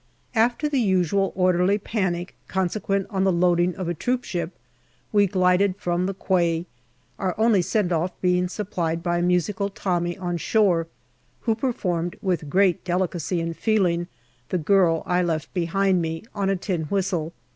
After the usual orderly panic consequent on the loading of a troopship we glided from the quay, our only send off being supplied by a musical Tommy on shore, who performed with great delicacy and feeling " The Girl I left Behind Me " on a tin whistle.